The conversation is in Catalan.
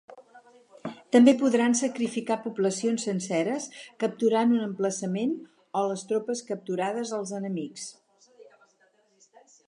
També podran sacrificar poblacions senceres capturant un emplaçament o les tropes capturades als enemics.